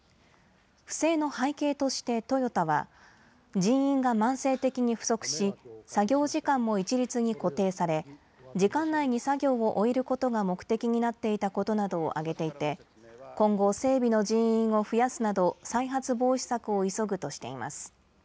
不正の背景として、トヨタは、人員が慢性的に不足し、作業時間も一律に固定され、時間内に作業を終えることが目的になっていたことなどを挙げていて、今後、整備の人員を増やすなど、再発防止策を急ぐとしています。